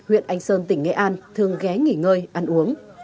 huyện anh sơn tỉnh nghệ an thường ghé nghỉ ngơi ăn uống